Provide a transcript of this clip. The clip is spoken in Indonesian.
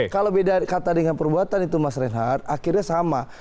kalau beda kata dengan perbuatan itu mas reinhardt akhirnya sama